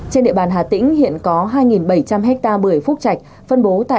trên địa bàn hà tĩnh hiện có hai bảy trăm linh ha bưởi phúc chạch phân bố tại hai mươi một xã thị trấn